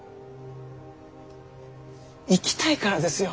生きたいからですよ。